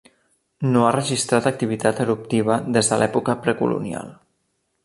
No ha registrat activitat eruptiva des de l'època precolonial.